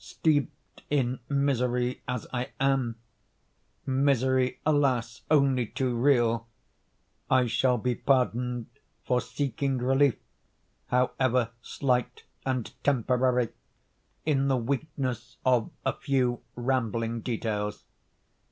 Steeped in misery as I am—misery, alas! only too real—I shall be pardoned for seeking relief, however slight and temporary, in the weakness of a few rambling details.